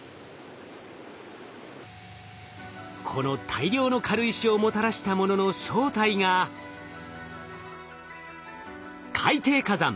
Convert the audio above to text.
この大量の軽石をもたらしたものの正体が海底火山